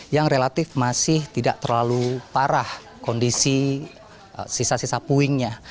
yang relatif masih tidak terlalu parah kondisi sisa sisa puingnya